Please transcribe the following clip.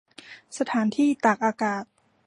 สถานที่ตากอากาศ